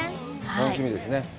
楽しみですね。